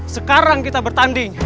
sekarang kita bertanding